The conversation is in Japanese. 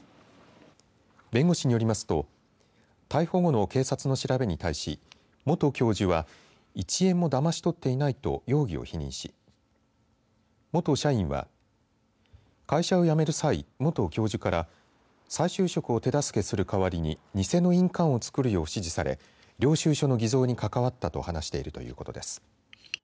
弁護士によりますと逮捕後の警察の調べに対し元教授は１円もだまし取っていないと容疑を否認し元社員は会社を辞める際元教授から再就職を手助けする代わりに偽の印鑑を作るよう指示され領収書の偽造に関わったと話しているということです。